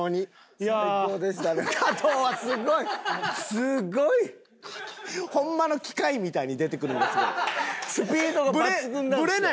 すごい！ホンマの機械みたいに出てくるのがすごい。